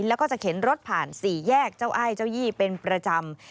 แล้วก็จะเข็นรถผ่านสี่แยกเจ้าอ้ายเจ้ายี่เป็นประจำ